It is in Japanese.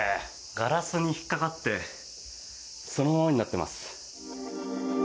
ガラスに引っかかってそのままになってます。